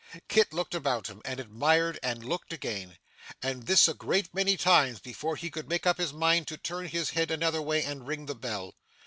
Kit looked about him, and admired, and looked again, and this a great many times before he could make up his mind to turn his head another way and ring the bell.